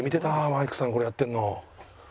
マリックさんがこれやってるの。